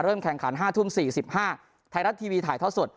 เริ่มแข่งขันห้าทุ่มสี่สิบห้าไทยรัฐทีวีถ่ายท้าสด